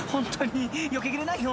［よけ切れないよ